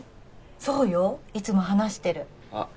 そうよいつも話してるあっ